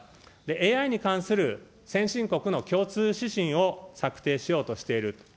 ＡＩに関する先進国の共通指針を策定しようとしている。